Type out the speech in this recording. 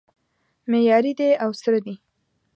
معیاري دی او سره دی